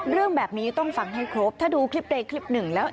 เรื่องแบบนี้ต้องฟังให้ครบถ้าดูคลิปใดคลิปหนึ่งแล้ว